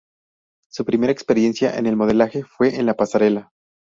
Su primera experiencia en el modelaje fue en la pasarela.